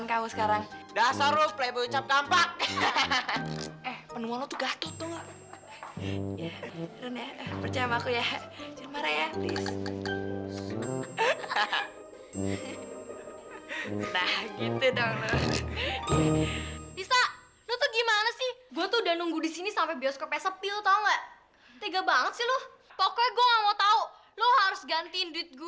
kamu makan yang banyak ya sayang